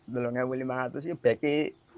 telurnya rp lima ratus ini beki